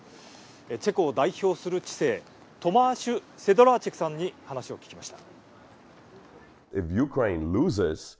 チェコを代表する知性トマーシュ・セドラーチェクさんに話を聞きました。